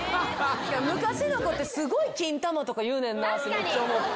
昔の子って、すごい金玉とか言うねんなと思って。